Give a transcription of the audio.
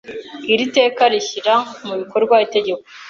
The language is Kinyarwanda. Iri teka rishyira mu bikorwa Itegeko